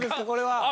これは。